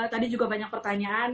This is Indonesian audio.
tadi juga banyak pertanyaan